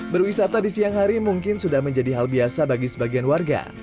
berwisata di siang hari mungkin sudah menjadi hal biasa bagi sebagian warga